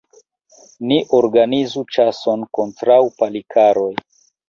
Ni organizu ĉason kontraŭ Palikaroj!